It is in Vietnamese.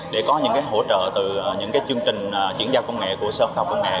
để có những hỗ trợ từ những chương trình chuyển giao công nghệ của seahawk